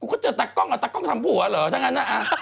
เขาเจอตากล้องเอาตากล้องทำผัวเหรอทั้งนั้น